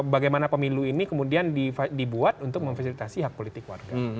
bagaimana pemilu ini kemudian dibuat untuk memfasilitasi hak politik warga